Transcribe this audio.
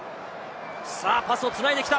パスを繋いできた。